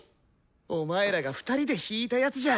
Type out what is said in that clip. お前らが２人で弾いたやつじゃん！